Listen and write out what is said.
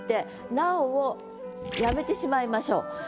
「なほ」をやめてしまいましょう。